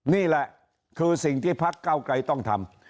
นี่แหละคือสิ่งที่พักเก้าไกรต้องทำ